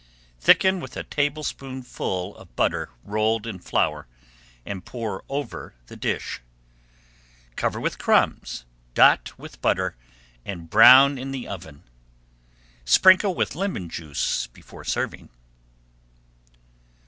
Thicken with a tablespoonful of butter rolled in flour, and pour over the fish. Cover with crumbs, dot with butter, and brown in the oven. Sprinkle with lemon juice before serving.